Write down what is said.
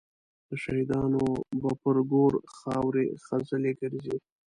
د شهیدانو به پر ګور خاوري خزلي ګرځي